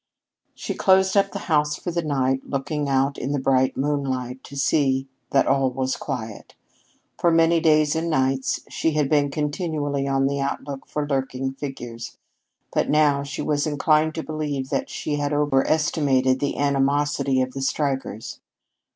She closed up the house for the night, looking out in the bright moonlight to see that all was quiet. For many days and nights she had been continually on the outlook for lurking figures, but now she was inclined to believe that she had overestimated the animosity of the strikers.